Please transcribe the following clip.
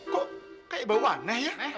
kok kayak bau aneh ya